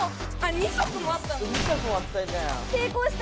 ２足もあった。